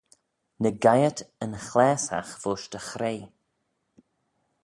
Ny geiyrt yn chlaasagh voish dty chray.